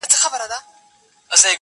قاضي و ویله غوږ نیسی دوستانو,